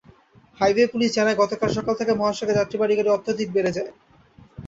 Highway police জানায়, গতকাল সকাল থেকে মহাসড়কে যাত্রীবাহী গাড়ি অত্যধিক বেড়ে যায়।